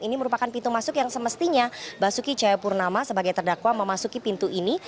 ini merupakan pintu masuk yang semestinya pak suki cahayapunama sebagai terdakwa memasuki pintu ini